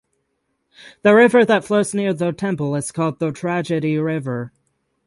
The river that flows near the temple is called the Tragedy River.